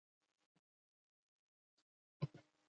د دویم اصل لازمه یوه مهمه خبره ده.